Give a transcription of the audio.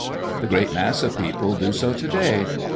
The great mass of people do so to day.